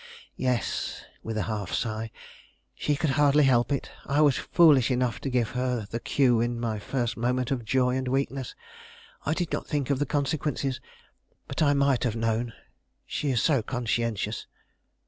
"Yes," with a half sigh. "She could hardly help it. I was foolish enough to give her the cue in my first moment of joy and weakness. I did not think of the consequences; but I might have known. She is so conscientious."